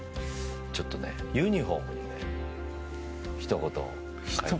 ちょっとユニホームにひと言書いて。